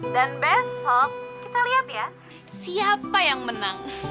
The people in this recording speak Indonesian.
dan besok kita lihat ya siapa yang menang